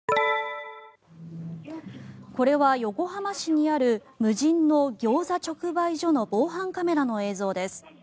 これは横浜市にある無人のギョーザ直売所の防犯カメラの映像です。